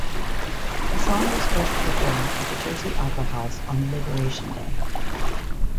The song was first performed at the Jersey Opera House on Liberation Day.